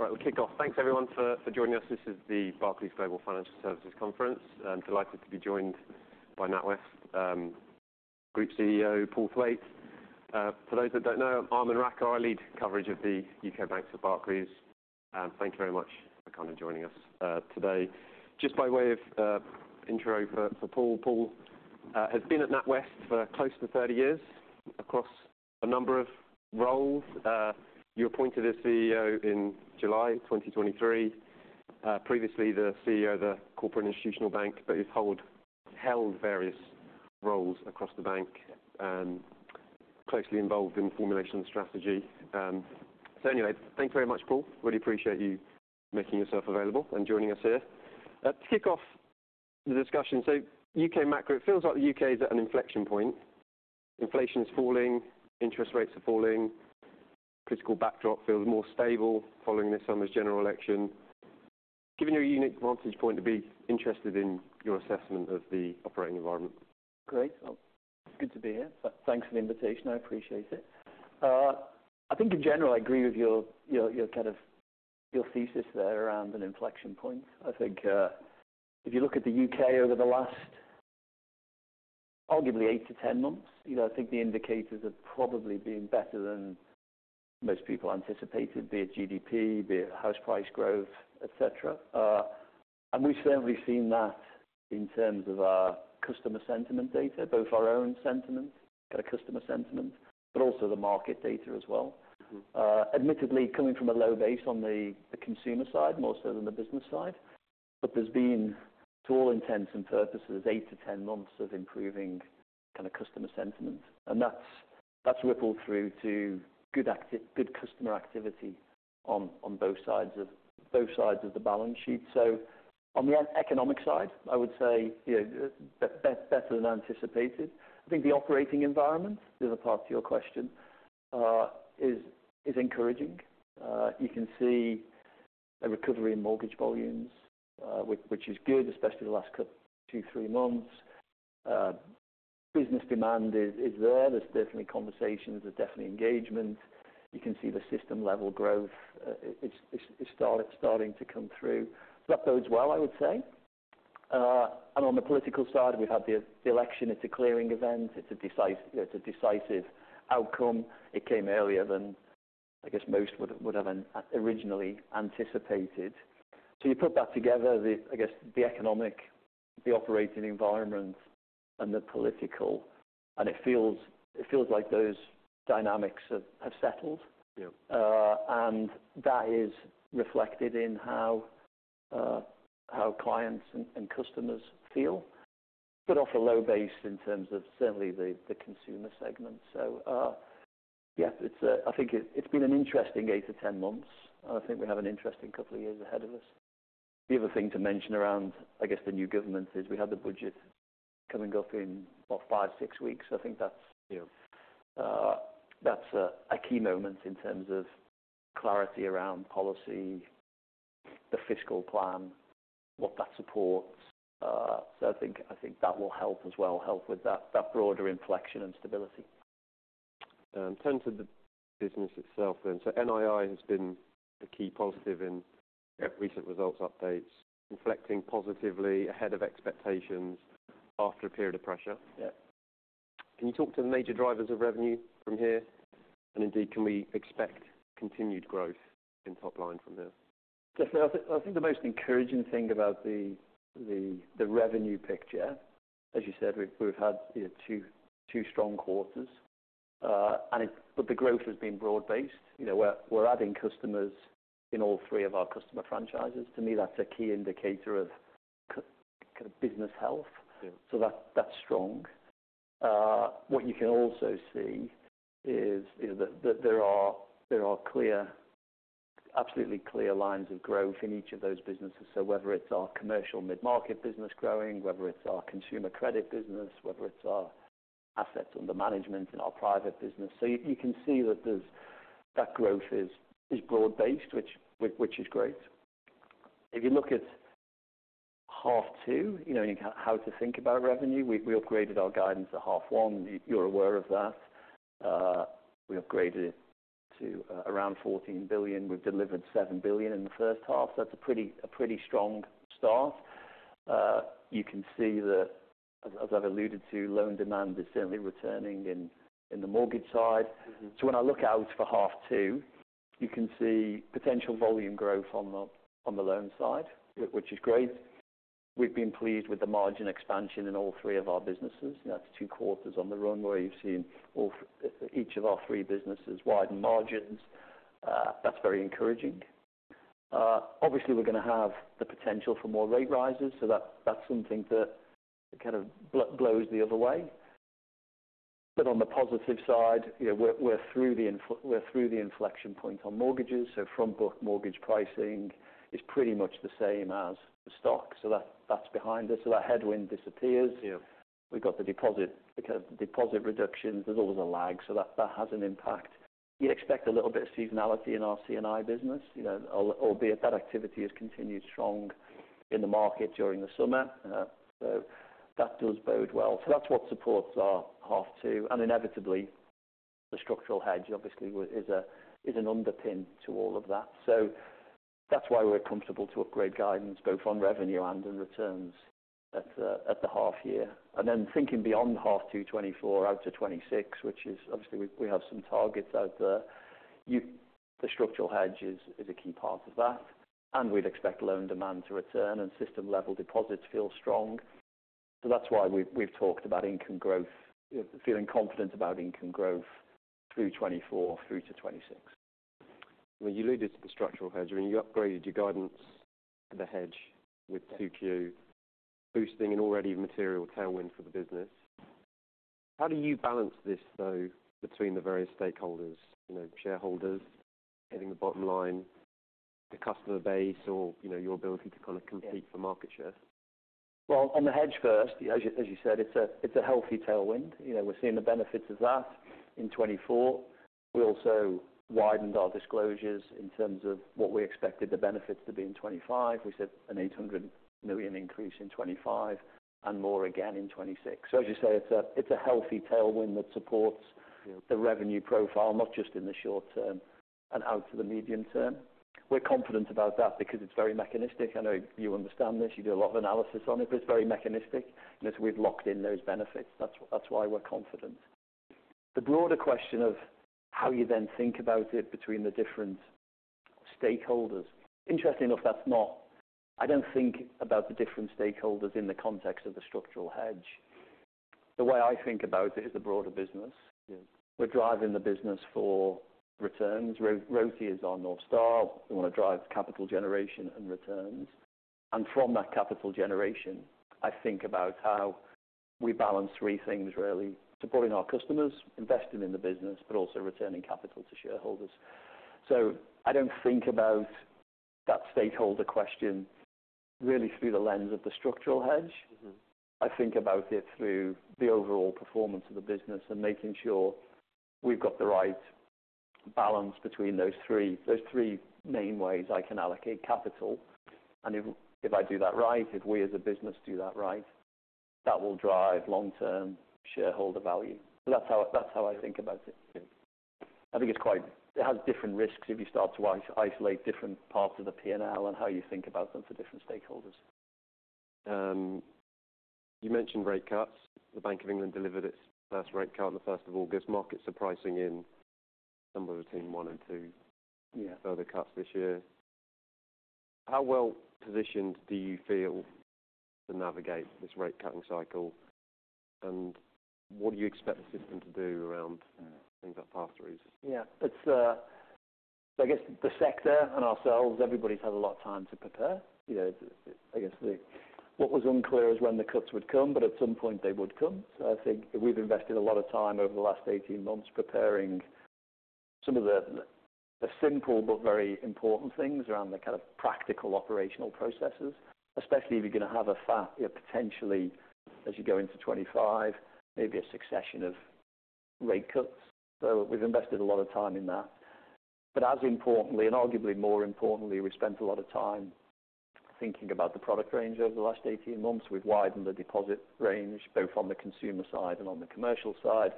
All right, we'll kick off. Thanks, everyone, for joining us. This is the Barclays Global Financial Services Conference. I'm delighted to be joined by NatWest Group CEO, Paul Thwaite. For those that don't know, I'm Aman Rakkar. I lead coverage of the U.K. banks at Barclays. Thank you very much for kind of joining us today. Just by way of intro for Paul, Paul has been at NatWest for close to thirty years across a number of roles. You were appointed as CEO in July 2023. Previously the CEO of the Corporate & Institutional Bank, but you've held various roles across the bank and closely involved in formulation of strategy, so anyway, thank you very much, Paul. Really appreciate you making yourself available and joining us here. To kick off the discussion, so UK macro, it feels like the UK is at an inflection point. Inflation is falling, interest rates are falling, political backdrop feels more stable following this summer's general election. Given your unique vantage point, it'd be interested in your assessment of the operating environment. Great. Well, good to be here. Thanks for the invitation, I appreciate it. I think in general, I agree with your kind of thesis there around an inflection point. I think, if you look at the U.K. over the last arguably eight to 10 months, you know, I think the indicators have probably been better than most people anticipated, be it GDP, be it house price growth, etc., and we've certainly seen that in terms of our customer sentiment data, both our own sentiment, kind of customer sentiment, but also the market data as well. Mm-hmm. Admittedly coming from a low base on the consumer side, more so than the business side, but there's been to all intents and purposes eight to 10 months of improving kind of customer sentiment, and that's rippled through to good customer activity on both sides of the balance sheet, so on the economic side, I would say you know better than anticipated. I think the operating environment, the other part to your question, is encouraging. You can see a recovery in mortgage volumes, which is good, especially the last two, three months. Business demand is there. There's definitely conversations, there's definitely engagement. You can see the system-level growth, it's starting to come through, so that bodes well, I would say. And on the political side, we've had the election. It's a clearing event, it's a decisive outcome. It came earlier than I guess most would have originally anticipated. So you put that together, I guess, the economic, the operating environment and the political, and it feels like those dynamics have settled. Yeah. And that is reflected in how clients and customers feel. But off a low base in terms of certainly the consumer segment. So, yeah, it's, I think it's been an interesting eight to ten months, and I think we have an interesting couple of years ahead of us. The other thing to mention around, I guess, the new government is we have the budget coming up in, what? five, six weeks. I think that's, you know, that's a key moment in terms of clarity around policy, the fiscal plan, what that supports. So I think that will help as well, help with that broader inflection and stability. In terms of the business itself then, so NII has been a key positive in- Yeah... recent results updates, reflecting positively ahead of expectations after a period of pressure. Yeah. Can you talk to the major drivers of revenue from here? And indeed, can we expect continued growth in top line from here? Yes. I think the most encouraging thing about the revenue picture, as you said, we've had, you know, two strong quarters, but the growth has been broad-based. You know, we're adding customers in all three of our customer franchises. To me, that's a key indicator of kind of business health. Yeah. So that's strong. What you can also see is, you know, that there are clear, absolutely clear lines of growth in each of those businesses. So whether it's our commercial mid-market business growing, whether it's our consumer credit business, whether it's our assets under management in our private business. So you can see that there's that growth is broad-based, which is great. If you look at half two, you know, how to think about revenue, we upgraded our guidance to half one. You're aware of that. We upgraded it to around 14 billion. We've delivered 7 billion in the first half. So that's a pretty strong start. You can see that, as I've alluded to, loan demand is certainly returning in the mortgage side. Mm-hmm. So when I look out for half two, you can see potential volume growth on the, on the loan side, which is great. We've been pleased with the margin expansion in all three of our businesses. That's two quarters on the run, where you've seen all, each of our three businesses widen margins. That's very encouraging. Obviously, we're gonna have the potential for more rate rises, so that, that's something that kind of blows the other way. But on the positive side, you know, we're through the inflection point on mortgages, so front book mortgage pricing is pretty much the same as the stock. So that, that's behind us, so that headwind disappears. Yeah. We've got the deposit, because deposit reductions, there's always a lag, so that has an impact. You expect a little bit of seasonality in our C&I business, you know, albeit that activity has continued strong in the market during the summer. So that does bode well. That's what supports our half two, and inevitably, the structural hedge obviously is an underpin to all of that. That's why we're comfortable to upgrade guidance, both on revenue and in returns at the half year. Then thinking beyond half two 2024 out to 2026, which is obviously we have some targets out there. The structural hedge is a key part of that, and we'd expect loan demand to return and system-level deposits feel strong. So that's why we've talked about income growth, feeling confident about income growth through 2024 to 2026. When you alluded to the structural hedge, when you upgraded your guidance, the hedge with 2Q, boosting an already material tailwind for the business. How do you balance this, though, between the various stakeholders, you know, shareholders hitting the bottom line, the customer base, or, you know, your ability to kind of compete- Yeah -for market share? On the hedge first, as you said, it's a healthy tailwind. You know, we're seeing the benefits of that in 2024. We also widened our disclosures in terms of what we expected the benefits to be in 2025. We said a 800 million increase in 2025 and more again in 2026. As you say, it's a healthy tailwind that supports- Yeah the revenue profile, not just in the short term and out to the medium term. We're confident about that because it's very mechanistic. I know you understand this. You do a lot of analysis on it, but it's very mechanistic, and as we've locked in those benefits, that's, that's why we're confident. The broader question of how you then think about it between the different stakeholders, interestingly enough, that's not, I don't think about the different stakeholders in the context of the structural hedge. The way I think about it is the broader business. Yeah. We're driving the business for returns. RoTE is our North Star. We want to drive capital generation and returns, and from that capital generation, I think about how we balance three things, really: supporting our customers, investing in the business, but also returning capital to shareholders. So I don't think about that stakeholder question really through the lens of the structural hedge. Mm-hmm. I think about it through the overall performance of the business and making sure we've got the right balance between those three, those three main ways I can allocate capital, and if, if I do that right, if we as a business do that right, that will drive long-term shareholder value, so that's how, that's how I think about it. Yeah. I think it's quite... It has different risks if you start to isolate different parts of the P&L and how you think about them for different stakeholders. You mentioned rate cuts. The Bank of England delivered its first rate cut on the 1st August. Markets are pricing in somewhere between one and two- Yeah Further cuts this year. How well positioned do you feel to navigate this rate cutting cycle, and what do you expect the system to do around things like pass-throughs? Yeah, it's. So I guess the sector and ourselves, everybody's had a lot of time to prepare. You know, I guess what was unclear is when the cuts would come, but at some point, they would come. So I think we've invested a lot of time over the last eighteen months, preparing some of the simple but very important things around the kind of practical operational processes, especially if you're gonna have a flat, yet potentially, as you go into twenty-five, maybe a succession of rate cuts. So we've invested a lot of time in that. But as importantly, and arguably more importantly, we've spent a lot of time thinking about the product range over the last eighteen months. We've widened the deposit range, both on the consumer side and on the commercial side.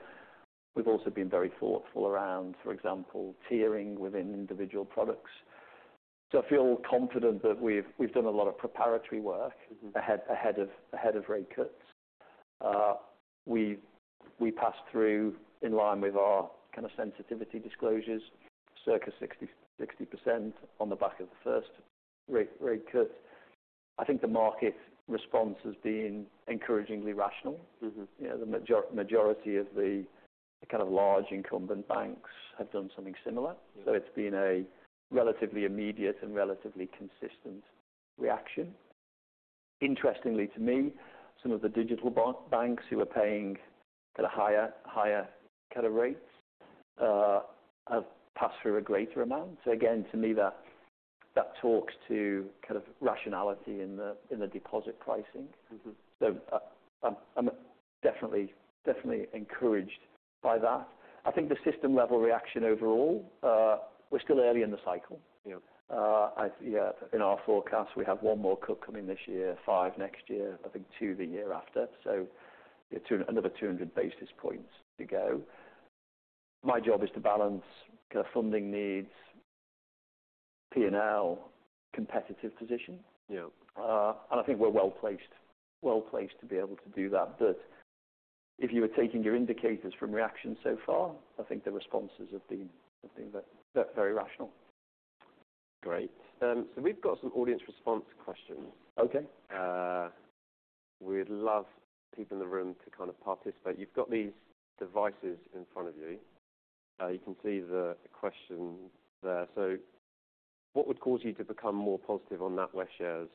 We've also been very thoughtful around, for example, tiering within individual products. I feel confident that we've done a lot of preparatory work- Mm-hmm... ahead of rate cuts. We passed through in line with our kind of sensitivity disclosures, circa 60% on the back of the first rate cut. I think the market response has been encouragingly rational. Mm-hmm. You know, the majority of the kind of large incumbent banks have done something similar. Yeah. It's been a relatively immediate and relatively consistent reaction. Interestingly to me, some of the digital banks who are paying at a higher kind of rates have passed through a greater amount. Again, to me, that talks to kind of rationality in the deposit pricing. Mm-hmm. So, I'm definitely encouraged by that. I think the system-level reaction overall. We're still early in the cycle. Yeah. I've, yeah, in our forecast, we have one more cut coming this year, five next year, I think two the year after. So yeah, two, another two hundred basis points to go. My job is to balance kind of funding needs, P&L, competitive position. Yeah. And I think we're well placed, well placed to be able to do that. But if you were taking your indicators from reaction so far, I think the responses have been very rational. Great. So we've got some audience response questions. Okay. We'd love people in the room to kind of participate. You've got these devices in front of you. You can see the question there. So what would cause you to become more positive on NatWest shares?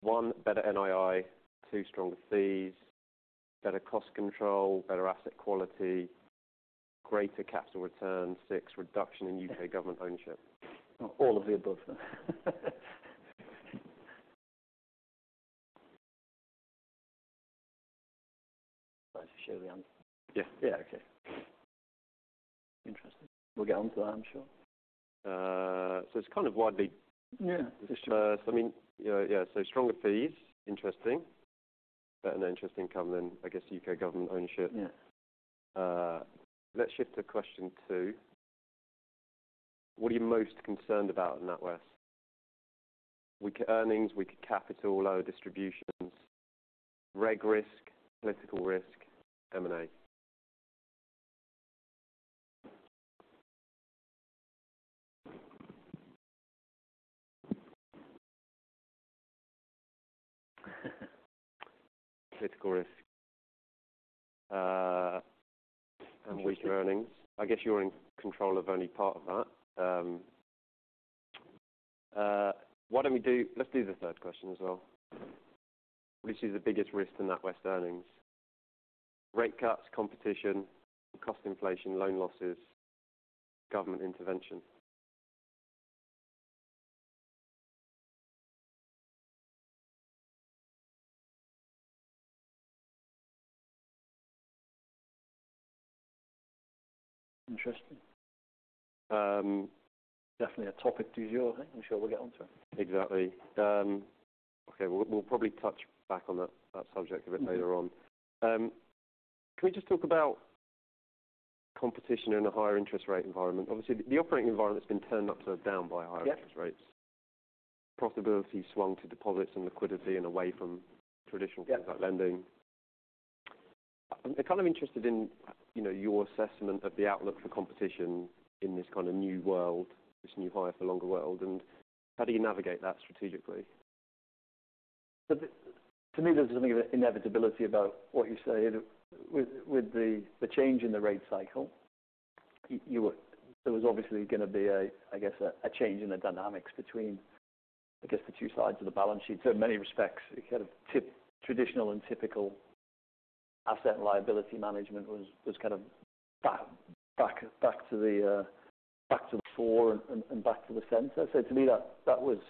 One, better NII; two, stronger fees; better cost control; better asset quality; greater capital returns; six, reduction in UK government ownership. All of the above. Show the answer. Yeah. Yeah, okay. Interesting. We'll get on to that, I'm sure. So it's kind of widely- Yeah. Just, so I mean, yeah, yeah, so stronger fees, interesting... better Net Interest Income, then I guess U.K. government ownership. Yeah. Let's shift to question two. What are you most concerned about in NatWest? Weaker earnings, weaker capital, lower distributions, reg risk, political risk, M&A? Political risk, and weaker earnings. I guess you're in control of only part of that. Let's do the third question as well. Which is the biggest risk to NatWest earnings? Rate cuts, competition, cost inflation, loan losses, government intervention. Interesting. Definitely a topic du jour. I'm sure we'll get on to it. Exactly. Okay, we'll probably touch back on that subject a bit later on. Mm-hmm. Can we just talk about competition in a higher interest rate environment? Obviously, the operating environment has been turned upside down by higher- Yeah interest rates. Profitability swung to deposits and liquidity and away from traditional- Yeah Things like lending. I'm kind of interested in, you know, your assessment of the outlook for competition in this kind of new world, this new higher for longer world, and how do you navigate that strategically? But to me, there's something of an inevitability about what you say. With the change in the rate cycle, there was obviously gonna be a, I guess, a change in the dynamics between, I guess, the two sides of the balance sheet. In many respects, traditional and typical asset liability management was kind of back to the fore and back to the center. So to me, that was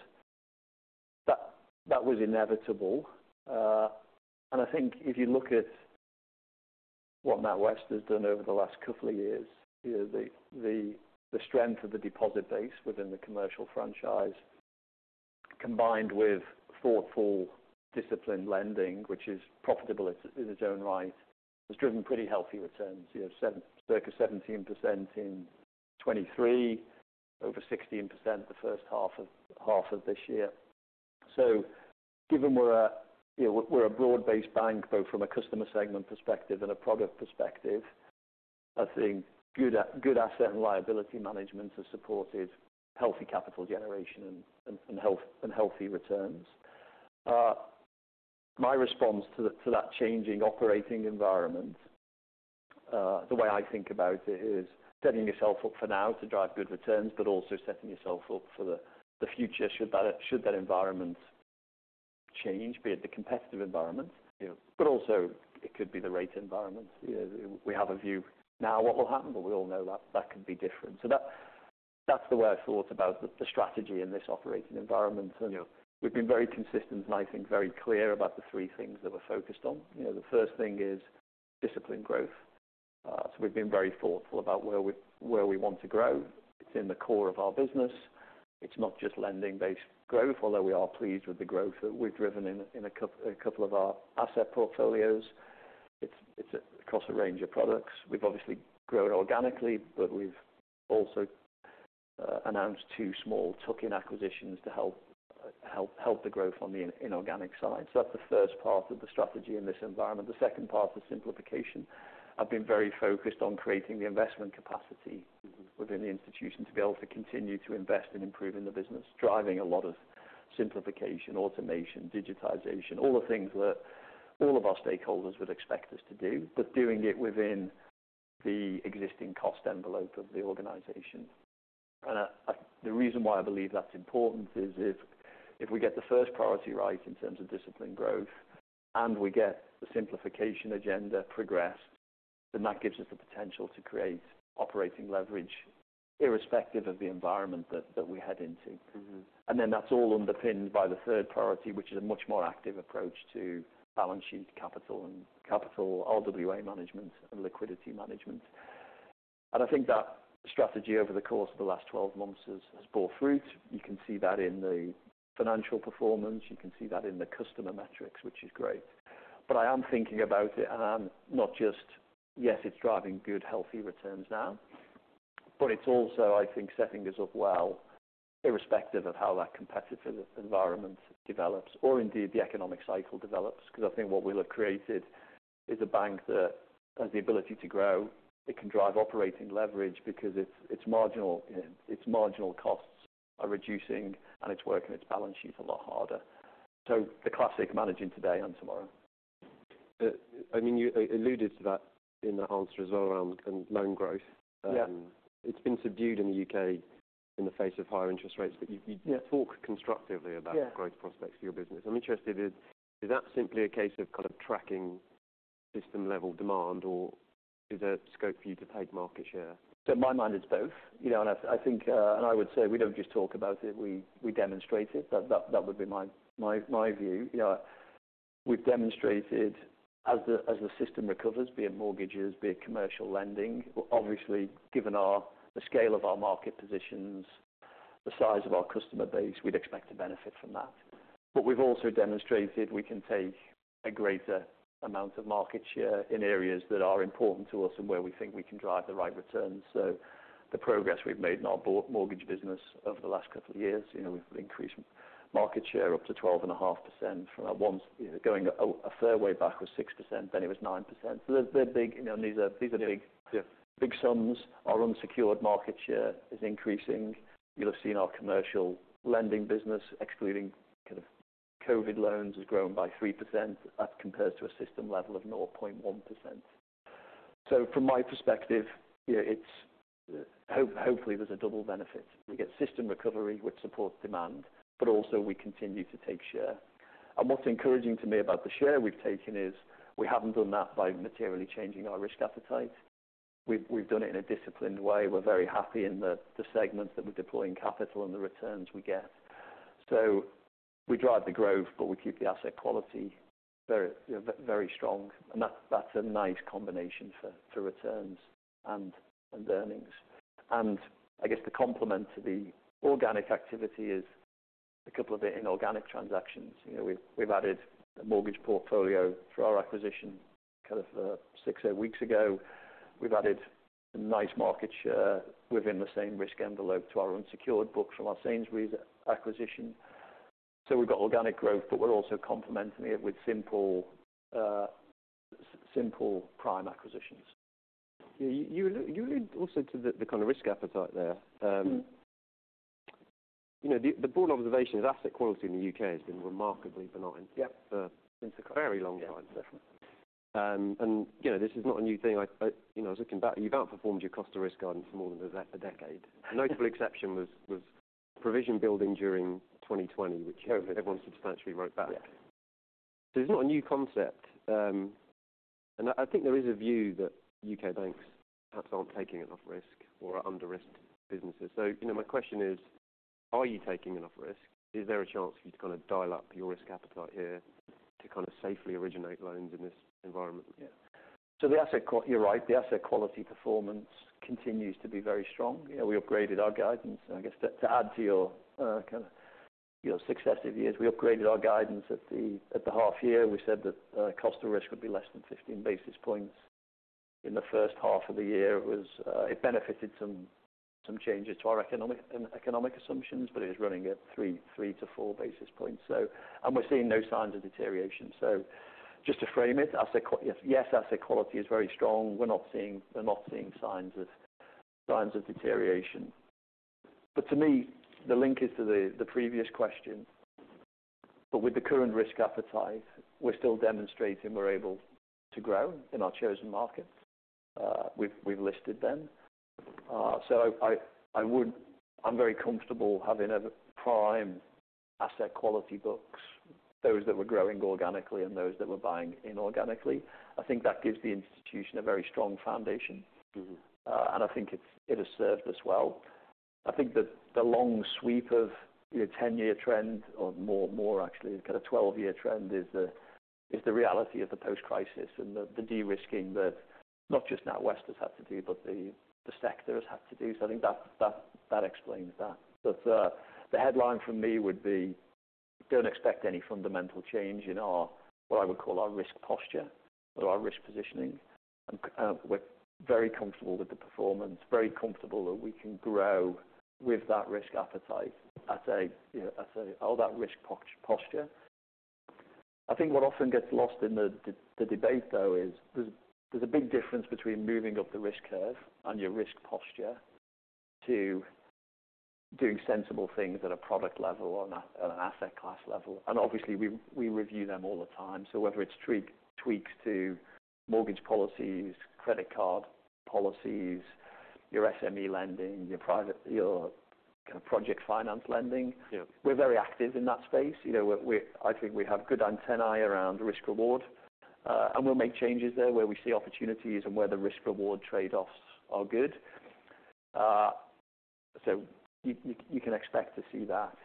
inevitable. And I think if you look at what NatWest has done over the last couple of years, you know, the strength of the deposit base within the commercial franchise, combined with thoughtful, disciplined lending, which is profitable in its own right, has driven pretty healthy returns. You know, seven, circa 17% in 2023, over 16% the first half of this year. So given we're a you know, we're a broad-based bank, both from a customer segment perspective and a product perspective, I think good asset and liability management has supported healthy capital generation and healthy returns. My response to that changing operating environment, the way I think about it is setting yourself up for now to drive good returns, but also setting yourself up for the future, should that environment change, be it the competitive environment, you know. But also it could be the rate environment. You know, we have a view now what will happen, but we all know that that could be different. That's the way I thought about the strategy in this operating environment. Yeah. We've been very consistent, and I think very clear about the three things that we're focused on. You know, the first thing is disciplined growth. So we've been very thoughtful about where we want to grow. It's in the core of our business. It's not just lending-based growth, although we are pleased with the growth that we've driven in a couple of our asset portfolios. It's across a range of products. We've obviously grown organically, but we've also announced two small tuck-in acquisitions to help the growth on the inorganic side. So that's the first part of the strategy in this environment. The second part is simplification. I've been very focused on creating the investment capacity within the institution to be able to continue to invest in improving the business, driving a lot of simplification, automation, digitization, all the things that all of our stakeholders would expect us to do, but doing it within the existing cost envelope of the organization. The reason why I believe that's important is if we get the first priority right, in terms of disciplined growth, and we get the simplification agenda progressed, then that gives us the potential to create operating leverage irrespective of the environment that we head into. Mm-hmm. Then that's all underpinned by the third priority, which is a much more active approach to balance sheet capital and capital RWA management and liquidity management. I think that strategy over the course of the last twelve months has borne fruit. You can see that in the financial performance. You can see that in the customer metrics, which is great. I am thinking about it, and I'm not just, "Yes, it's driving good, healthy returns now," but it's also, I think, setting us up well, irrespective of how that competitive environment develops or indeed the economic cycle develops. Because I think what we'll have created is a bank that has the ability to grow. It can drive operating leverage because its marginal costs are reducing and it's working its balance sheet a lot harder. So the classic managing today and tomorrow. I mean, you alluded to that in the answer as well, around loan growth. Yeah. It's been subdued in the UK in the face of higher interest rates, but you- Yeah talk constructively about Yeah growth prospects for your business. I'm interested, is that simply a case of kind of tracking system-level demand, or is there scope for you to take market share? So in my mind, it's both. You know, and I think, and I would say we don't just talk about it, we demonstrate it. That would be my view. You know, we've demonstrated as the system recovers, be it mortgages, be it commercial lending, obviously, given the scale of our market positions, the size of our customer base, we'd expect to benefit from that. But we've also demonstrated we can take a greater amount of market share in areas that are important to us and where we think we can drive the right returns. So the progress we've made in our mortgage business over the last couple of years, you know, we've increased market share up to 12.5% from, once going a fair way back, was 6%, then it was 9%. So they're big, you know, these are big- Yeah... big sums. Our unsecured market share is increasing. You'll have seen our commercial lending business, excluding kind of COVID loans, has grown by 3%. That compares to a system level of 0.1%. So from my perspective, yeah, it's hopefully there's a double benefit. We get system recovery, which supports demand, but also we continue to take share. And what's encouraging to me about the share we've taken is, we haven't done that by materially changing our risk appetite. We've done it in a disciplined way. We're very happy in the segments that we're deploying capital and the returns we get. So we drive the growth, but we keep the asset quality very, very strong, and that's a nice combination for returns and earnings. And I guess the complement to the organic activity is a couple of the inorganic transactions. You know, we've added a mortgage portfolio through our acquisition, kind of six, eight weeks ago. We've added nice market share within the same risk envelope to our unsecured book from our Sainsbury's acquisition. So we've got organic growth, but we're also complementing it with simple prime acquisitions. Yeah, you lead also to the kind of risk appetite there. Mm-hmm. You know, the broad observation is asset quality in the UK has been remarkably benign. Yep... for a very long time. Yeah. and you know, this is not a new thing. I you know, I was looking back, you've outperformed your cost of risk guidance for more than a decade. Yeah. A notable exception was provision building during 2020, which everyone substantially wrote back. Yeah. So it's not a new concept, and I think there is a view that UK banks perhaps aren't taking enough risk or are under-risked businesses, so you know, my question is: Are you taking enough risk? Is there a chance for you to kind of dial up your risk appetite here, to kind of safely originate loans in this environment? Yeah. So the asset quality. You're right. The asset quality performance continues to be very strong. You know, we upgraded our guidance. I guess to add to your kind of your successive years, we upgraded our guidance at the half year. We said that cost of risk would be less than 15 basis points. In the first half of the year, it was it benefited some changes to our economic assumptions, but it is running at 3 to 4 basis points, so. We're seeing no signs of deterioration. Just to frame it, asset quality is very strong. We're not seeing signs of deterioration. But to me, the link is to the previous question. But with the current risk appetite, we're still demonstrating we're able to grow in our chosen market. We've listed them. So, I'm very comfortable having a prime asset quality books, those that we're growing organically and those that we're buying inorganically. I think that gives the institution a very strong foundation. Mm-hmm. And I think it's, it has served us well. I think that the long sweep of your ten-year trend, or more, actually, kind of twelve-year trend, is the reality of the post-crisis and the de-risking that not just NatWest has had to do, but the sector has had to do. So I think that explains that. But the headline from me would be, don't expect any fundamental change in our, what I would call our risk posture or our risk positioning. We're very comfortable with the performance, very comfortable that we can grow with that risk appetite, I'd say. Yeah, I'd say all that risk posture. I think what often gets lost in the debate, though, is there's a big difference between moving up the risk curve and your risk posture, to doing sensible things at a product level or at an asset class level. And obviously, we review them all the time. So whether it's tweaks to mortgage policies, credit card policies, your SME lending, your private, your kind of project finance lending- Yeah... we're very active in that space. You know, we're. I think we have good antennae around risk reward, and we'll make changes there, where we see opportunities and where the risk reward trade-offs are good. So you can expect to see that,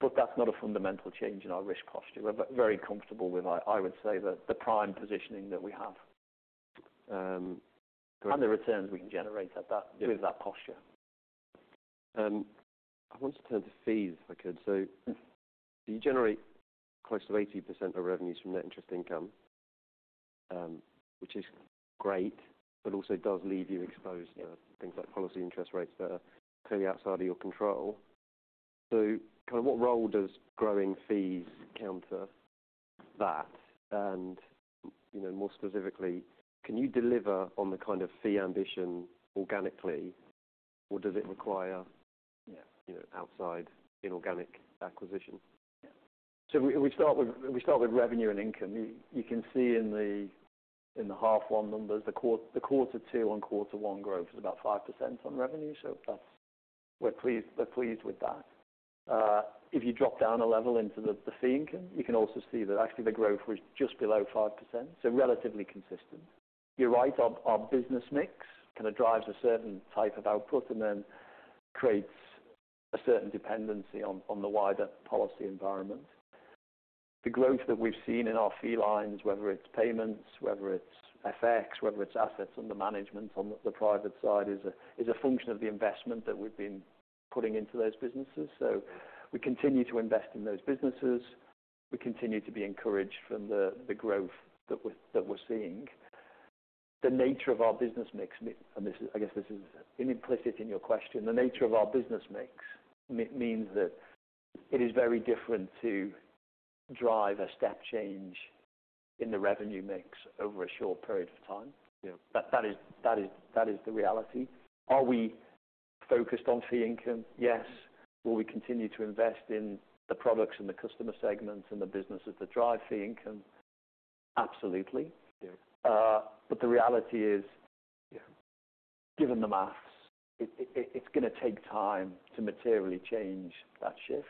but that's not a fundamental change in our risk posture. We're very comfortable with our, I would say, the prime positioning that we have, and the returns we can generate at that- Yeah... with that posture. I want to turn to fees, if I could. Mm-hmm. You generate close to 80% of revenues from net interest income, which is great, but also does leave you exposed to- Yeah... things like policy interest rates that are clearly outside of your control, so kind of what role does growing fees counter that, and you know, more specifically, can you deliver on the kind of fee ambition organically, or does it require- Yeah... you know, outside inorganic acquisition? Yeah. So we start with revenue and income. You can see in the half one numbers, the quarter two on quarter one growth is about 5% on revenue. So that's... We're pleased with that. If you drop down a level into the fee income, you can also see that actually the growth was just below 5%, so relatively consistent. You're right, our business mix kind of drives a certain type of output and then creates a certain dependency on the wider policy environment. The growth that we've seen in our fee lines, whether it's payments, whether it's FX, whether it's assets under management on the private side, is a function of the investment that we've been putting into those businesses. So we continue to invest in those businesses. We continue to be encouraged from the growth that we're seeing. The nature of our business mix, and this is, I guess this is implicit in your question. The nature of our business mix means that it is very different to drive a step change in the revenue mix over a short period of time. Yeah. That is the reality. Are we focused on fee income? Yes. Will we continue to invest in the products and the customer segments and the businesses that drive fee income? Absolutely. Yeah. But the reality is, given the math, it's gonna take time to materially change that shift,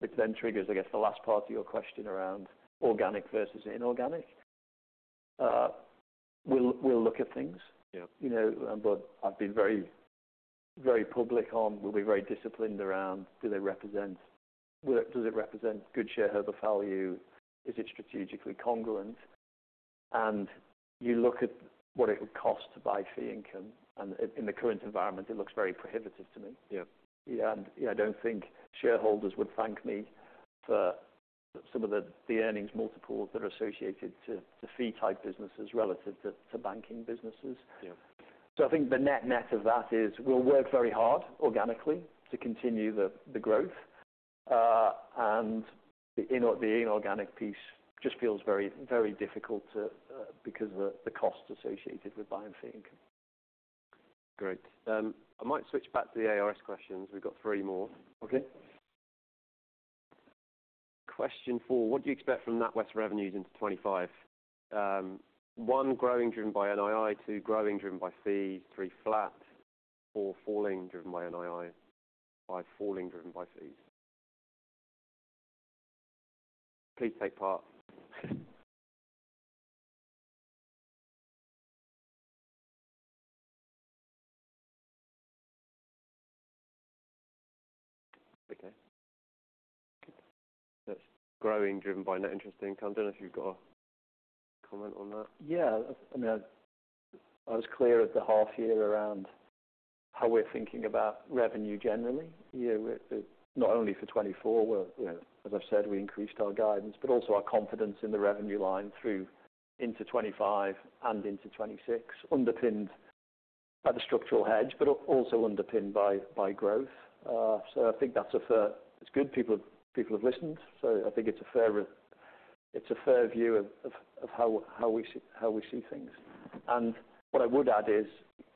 which then triggers, I guess, the last part of your question around organic versus inorganic. We'll look at things. Yeah. You know, but I've been very, very public on, we'll be very disciplined around do they represent - well, does it represent good shareholder value? Is it strategically congruent? And you look at what it would cost to buy fee income, and in the current environment, it looks very prohibitive to me. Yeah. Yeah, and I don't think shareholders would thank me for some of the earnings multiples that are associated to fee-type businesses relative to banking businesses. Yeah. So I think the net-net of that is, we'll work very hard organically to continue the growth. And the inorganic piece just feels very, very difficult to, because of the costs associated with buying fee income. Great. I might switch back to the ARS questions. We've got three more. Okay. Question four: What do you expect from NatWest revenues into twenty-five? One, growing, driven by NII. Two, growing, driven by fees. Three, flat. Four, falling, driven by NII. Five, falling, driven by fees. Please take part. Okay. That's growing, driven by net interest income. Don't know if you've got a comment on that. Yeah. I mean, I was clear at the half year around how we're thinking about revenue generally. Yeah, with the... Not only for 2024, where, you know, as I've said, we increased our guidance, but also our confidence in the revenue line through into 2025 and into 2026, underpinned by the structural hedge, but also underpinned by growth. So I think that's a fair... It's good people have listened, so I think it's a fair view of how we see things. And what I would add is,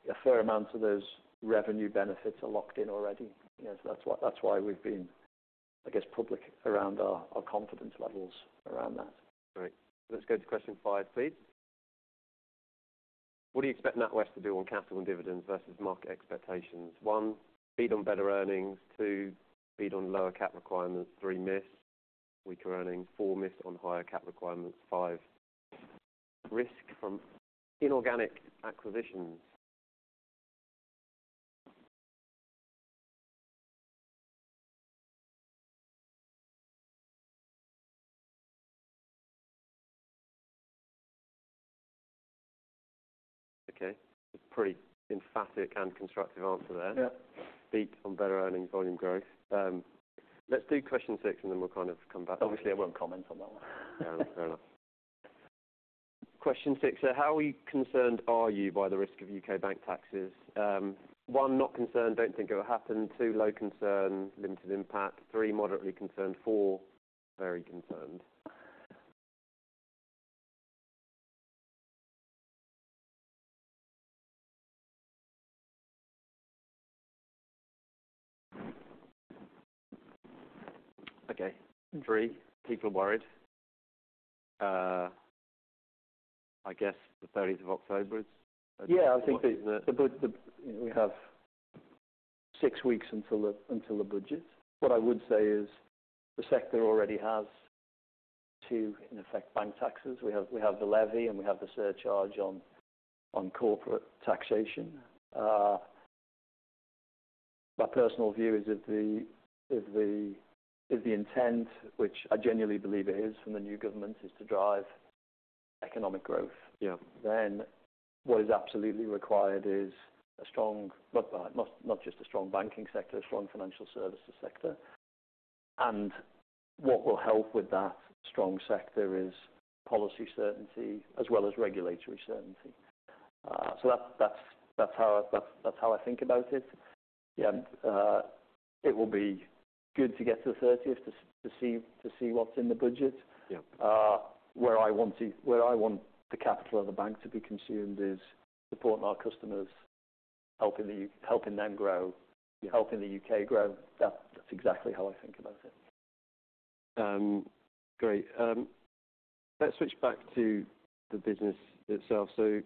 a fair amount of those revenue benefits are locked in already. Yes, that's why we've been, I guess, public around our confidence levels around that. Great. Let's go to question five, please. What do you expect NatWest to do on capital and dividends versus market expectations? One, beat on better earnings. Two, beat on lower cap requirements. Three, miss weaker earnings. Four, miss on higher cap requirements. Five, risk from inorganic acquisitions. Okay, pretty emphatic and constructive answer there. Yeah. Beat on better earnings, volume growth. Let's do question six, and then we'll kind of come back. Obviously, I won't comment on that one. Yeah, fair enough. Question six: So how concerned are you by the risk of U.K. bank taxes? One, not concerned, don't think it will happen. Two, low concern, limited impact. Three, moderately concerned. Four, very concerned. Okay, three. People worried. I guess the 30th of October is- Yeah, I think we have six weeks until the budget. What I would say is, the sector already has two, in effect, bank taxes. We have the levy, and we have the surcharge on corporate taxation. My personal view is if the intent, which I genuinely believe it is from the new government, is to drive economic growth. Yeah... then what is absolutely required is a strong, but not just a strong banking sector, a strong financial services sector. And what will help with that strong sector is policy certainty as well as regulatory certainty. So that's how I think about it. Yeah, and it will be good to get to the thirtieth to see what's in the budget. Yeah. Where I want the capital of the bank to be consumed is supporting our customers, helping them grow, and helping the UK grow. That's exactly how I think about it. Great. Let's switch back to the business itself. So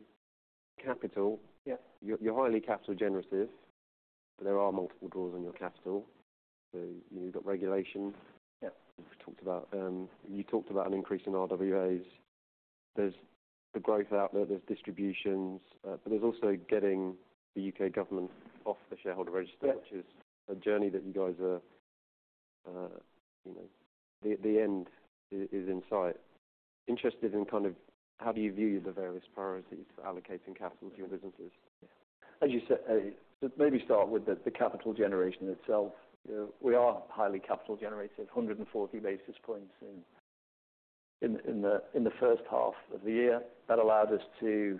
capital- Yeah. You're highly capital generative, but there are multiple draws on your capital. So you've got regulation. Yeah. Which we talked about. You talked about an increase in RWAs. There's the growth out there, there's distributions, but there's also getting the U.K. government off the shareholder register- Yep. -which is a journey that you guys are, you know, the end is in sight. Interested in kind of how do you view the various priorities for allocating capital to your businesses? As you said, maybe start with the capital generation itself. You know, we are highly capital generative, 140 basis points in the first half of the year. That allowed us to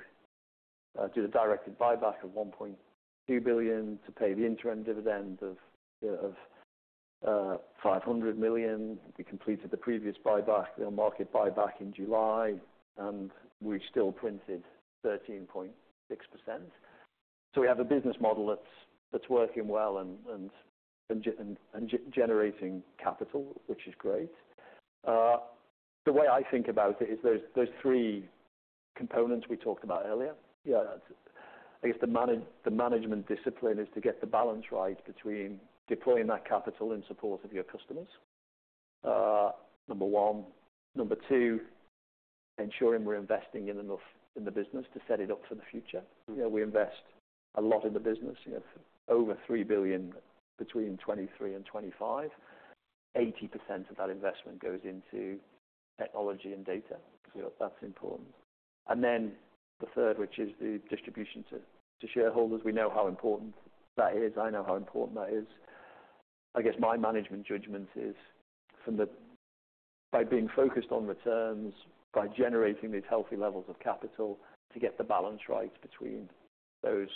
do the directed buyback of 1.2 billion, to pay the interim dividend of 500 million. We completed the previous buyback, the market buyback in July, and we still printed 13.6%. So we have a business model that's working well and generating capital, which is great. The way I think about it is those three components we talked about earlier. Yeah, I guess the management discipline is to get the balance right between deploying that capital in support of your customers, number one. Number two, ensuring we're investing enough in the business to set it up for the future. Mm-hmm. You know, we invest a lot in the business, you know, over 3 billion between 2023 and 2025. 80% of that investment goes into technology and data. So that's important. And then the third, which is the distribution to shareholders. We know how important that is. I know how important that is. I guess my management judgment is by being focused on returns, by generating these healthy levels of capital, to get the balance right between those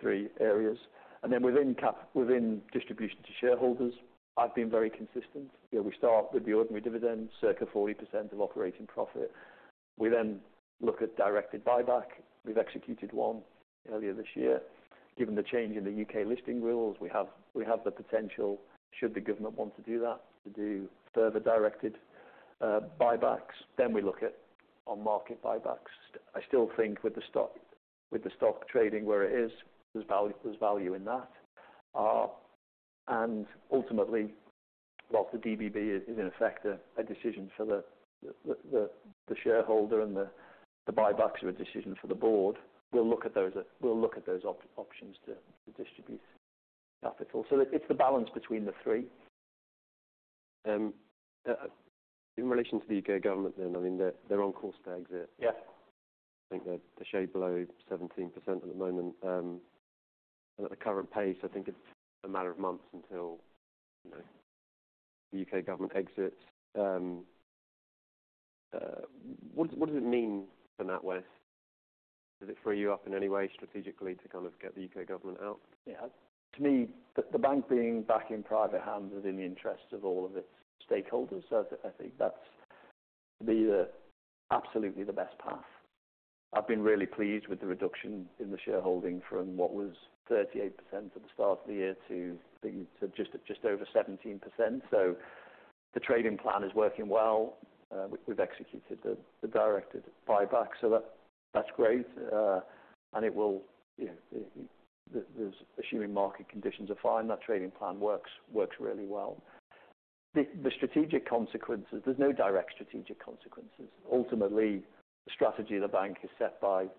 three areas. And then within distribution to shareholders, I've been very consistent. You know, we start with the ordinary dividend, circa 40% of operating profit. We then look at directed buyback. We've executed one earlier this year. Given the change in the U.K. listing rules, we have the potential, should the government want to do that, to do further directed buybacks, then we look at on-market buybacks. I still think with the stock trading where it is, there's value in that. And ultimately, while the DBB is in effect, a decision for the shareholder and the buybacks are a decision for the board, we'll look at those options to distribute capital. So it's the balance between the three. In relation to the UK government then, I mean, they're on course to exit. Yeah. I think they're a shade below 17% at the moment. At the current pace, I think it's a matter of months until, you know, the U.K. government exits. What does it mean then, that way? Does it free you up in any way strategically to kind of get the U.K. government out? Yeah. To me, the bank being back in private hands is in the interests of all of its stakeholders. So I think that's absolutely the best path. I've been really pleased with the reduction in the shareholding from what was 38% at the start of the year to just over 17%. So the trading plan is working well. We've executed the directed buyback, so that's great. And it will, you know, there's assuming market conditions are fine, that trading plan works really well. The strategic consequences, there's no direct strategic consequences. Ultimately, the strategy of the bank is set by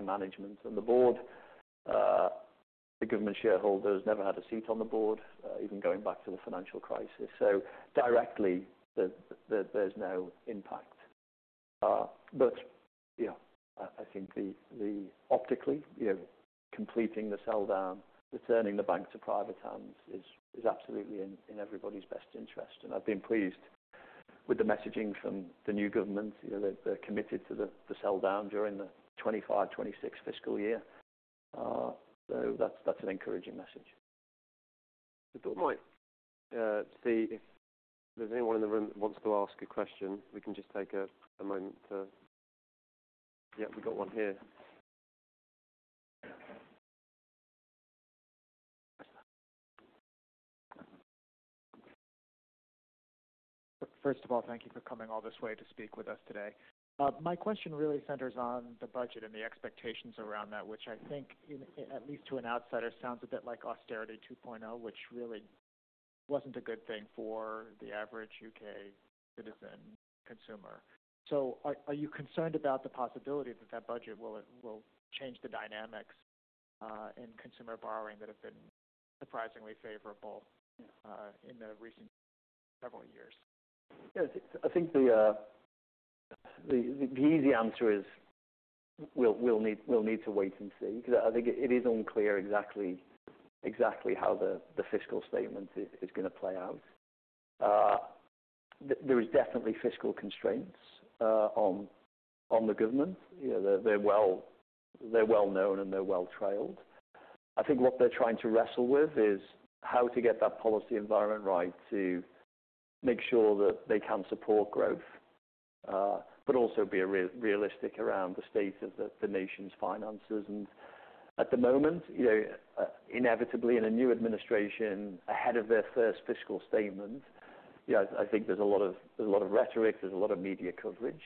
management and the board. The government shareholder has never had a seat on the board, even going back to the financial crisis. So directly, there's no impact. But yeah, I think the optically, you know, completing the sell-down, returning the bank to private hands is absolutely in everybody's best interest. And I've been pleased with the messaging from the new government. You know, they're committed to the sell-down during the 2025/2026 fiscal year. So that's an encouraging message. Right. See if there's anyone in the room that wants to ask a question, we can just take a moment to... Yep, we've got one here. First of all, thank you for coming all this way to speak with us today. My question really centers on the budget and the expectations around that, which I think, at least to an outsider, sounds a bit like austerity 2.0, which really wasn't a good thing for the average U.K. citizen consumer. So are you concerned about the possibility that budget will change the dynamics in consumer borrowing that have been surprisingly favorable in the recent several years? Yes, I think the easy answer is we'll need to wait and see, because I think it is unclear exactly how the fiscal statement is gonna play out. There is definitely fiscal constraints on the government. You know, they're well known, and they're well trailed. I think what they're trying to wrestle with is how to get that policy environment right to make sure that they can support growth, but also be realistic around the state of the nation's finances. At the moment, you know, inevitably, in a new administration, ahead of their first fiscal statement, yeah, I think there's a lot of rhetoric, there's a lot of media coverage.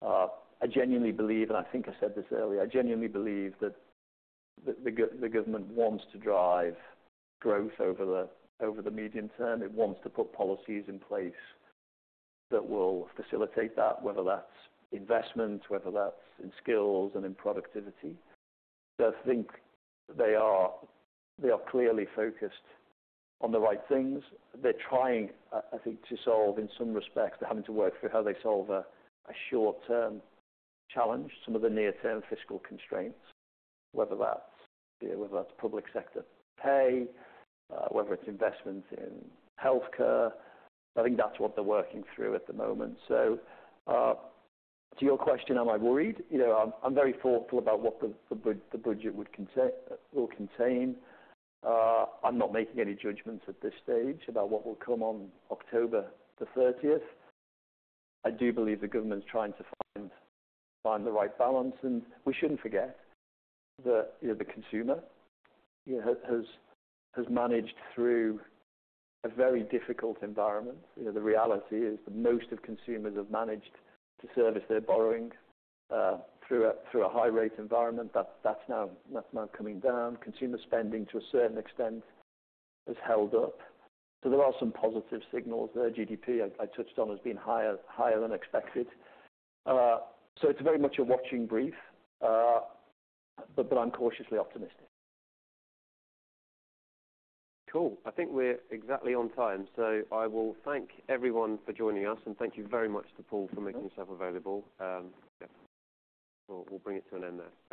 I genuinely believe, and I think I said this earlier, I genuinely believe that the government wants to drive growth over the medium term. It wants to put policies in place that will facilitate that, whether that's investment, whether that's in skills and in productivity. So I think they are clearly focused on the right things. They're trying, I think, to solve, in some respects, they're having to work through how they solve a short-term challenge, some of the near-term fiscal constraints, whether that's public sector pay, whether it's investment in healthcare. I think that's what they're working through at the moment. So, to your question, am I worried? You know, I'm very thoughtful about what the budget would contain, will contain. I'm not making any judgments at this stage about what will come on October 30th. I do believe the government is trying to find the right balance, and we shouldn't forget that, you know, the consumer, you know, has managed through a very difficult environment. You know, the reality is that most of consumers have managed to service their borrowing through a high rate environment. That's now coming down. Consumer spending, to a certain extent, has held up. So there are some positive signals there. GDP, I touched on, as being higher than expected. So it's very much a watching brief, but I'm cautiously optimistic. Cool. I think we're exactly on time, so I will thank everyone for joining us. Thank you very much to Paul- Mm-hmm. -for making yourself available. Yeah, we'll bring it to an end there. Thank you.